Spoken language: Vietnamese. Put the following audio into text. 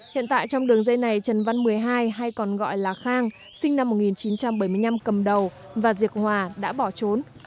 hiện tại trong đường dây này trần văn một mươi hai hay còn gọi là khang sinh năm một nghìn chín trăm bảy mươi năm cầm đầu và diệc hòa đã bỏ trốn